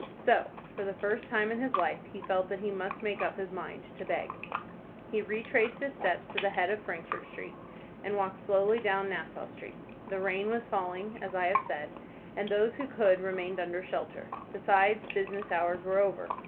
So, for the first time in his life, he felt that he must make up his mind to beg. He retraced his steps to the head of Frankfort Street, and walked slowly down Nassau Street. The rain was falling, as I have said, and those who could remained under shelter. Besides, business hours were over.